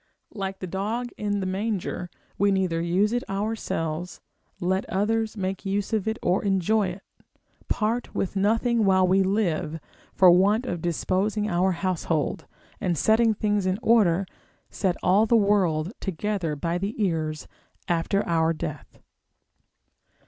Like the dog in the manger, we neither use it ourselves, let others make use of or enjoy it; part with nothing while we live: for want of disposing our household, and setting things in order, set all the world together by the ears after our death.